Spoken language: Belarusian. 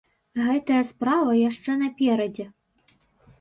Гэтая справа яшчэ наперадзе.